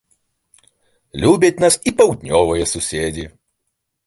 Любяць нас і паўднёвыя суседзі.